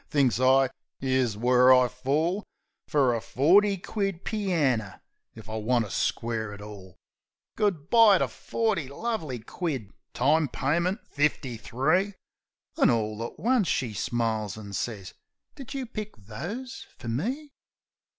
Think's I, " 'Ere's where I fall Fer a forty quid pianner, if I want to square it all, 16 Wilts Goo' bye to forty lovely quid time paymint, fifty three Then all at once she smiles an' sez, "Did you pick those fer me?"